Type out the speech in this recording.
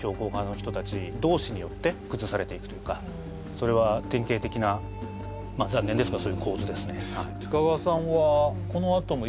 それは典型的な残念ですがそういう構図ですね